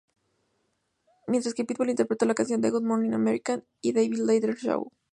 Mientras que Pitbull interpretó la canción en "Good Morning America" y "David Letterman Show".